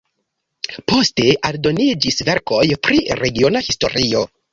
Poste aldoniĝis verkoj pri regiona historio.